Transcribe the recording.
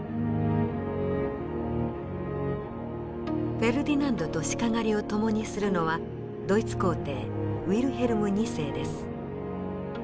フェルディナンドと鹿狩りを共にするのはドイツ皇帝ウィルヘルム２世です。